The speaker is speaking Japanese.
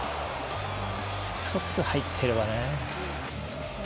一つ入ってればね。